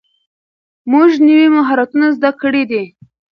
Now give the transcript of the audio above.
موږ نوي مهارتونه زده کړي دي.